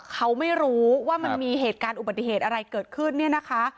เขาไม่รู้ว่ามันมีเหตุการณ์อุบัติเหตุอะไรเกิดขึ้นเนี่ยนะคะ